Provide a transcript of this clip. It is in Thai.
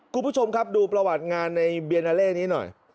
คุณผู้ชมครับดูประวัติงานในเบียนาเล่นี้หน่อย